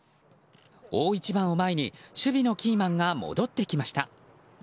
大一番を前に守備のキーマンが戻ってきました。